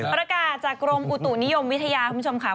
จากกรมอุตุนิยมวิทยาคุณผู้ชมค่ะ